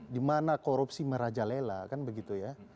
di mana korupsi merajalela kan begitu ya